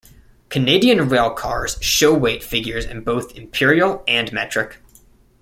Canadian railcars show weight figures in both imperial and metric.